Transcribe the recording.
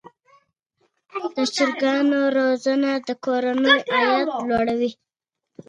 خلافت د اسلامي تعلیماتو او اصولو پراساس د بشر حقونو ساتنه کوي.